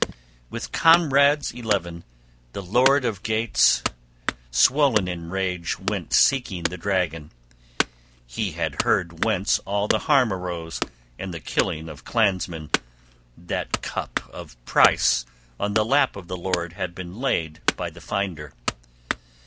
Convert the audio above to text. With comrades eleven the lord of Geats swollen in rage went seeking the dragon. He had heard whence all the harm arose and the killing of clansmen; that cup of price on the lap of the lord had been laid by the finder.